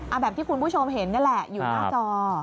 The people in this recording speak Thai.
เอาแบบที่คุณผู้ชมเห็นนี่แหละอยู่หน้าจอ